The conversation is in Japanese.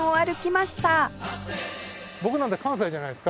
僕なんて関西じゃないですか。